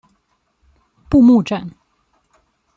布目站。